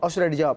oh sudah dijawab